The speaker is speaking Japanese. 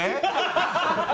ハハハハ！